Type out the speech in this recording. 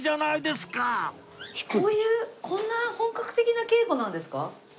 こういうこんな本格的な稽古なんですか？